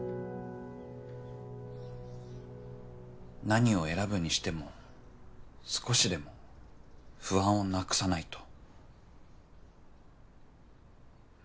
何を選ぶにしても少しでも不安をなくさないと。